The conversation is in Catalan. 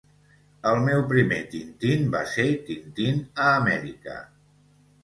El meu primer Tintín va ser Tintín a Amèrica